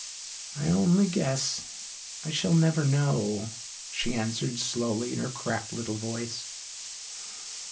"I only guess I shall never know," she answered slowly in her cracked little voice.